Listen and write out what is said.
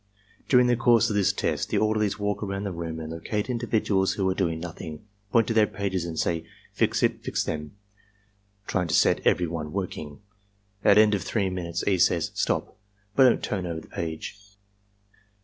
During the course of this test the orderlies walk around the room and locate individuals who are doing nothing, point to their pages, and say, "Fix it. Fix them," trying to set everyone working. At end of 3 min uteS) E. says, "Stop! But don't turn over the page."